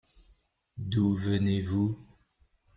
D'où venez-vous ?